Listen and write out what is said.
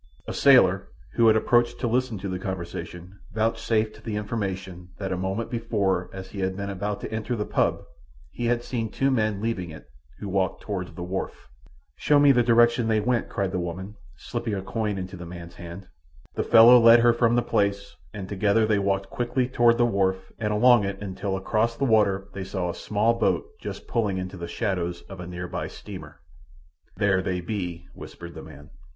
A sailor who had approached to listen to the conversation vouchsafed the information that a moment before as he had been about to enter the "pub" he had seen two men leaving it who walked toward the wharf. "Show me the direction they went," cried the woman, slipping a coin into the man's hand. The fellow led her from the place, and together they walked quickly toward the wharf and along it until across the water they saw a small boat just pulling into the shadows of a near by steamer. "There they be," whispered the man.